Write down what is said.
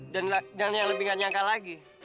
dan yang lebih gak nyangka lagi